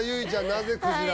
なぜクジラ？